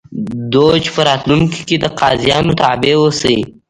دوج په راتلونکي کې د قاضیانو تابع اوسي.